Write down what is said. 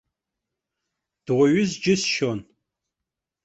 Дуаҩыз џьысшьан.